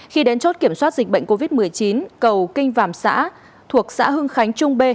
khi đến chốt kiểm soát dịch bệnh covid một mươi chín cầu kinh vàm xã thuộc xã hưng khánh trung b